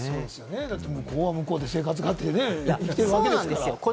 向こうは向こうで生活があってね、生きてるわけですから。